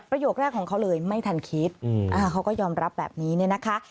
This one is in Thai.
แรกของเขาเลยไม่ทันคิดเขาก็ยอมรับแบบนี้เนี่ยนะคะ